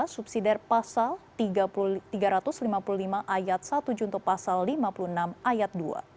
subsidi pasal tiga ratus lima puluh lima ayat satu junto pasal lima puluh enam ayat dua